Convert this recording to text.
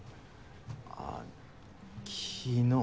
あぁ昨日。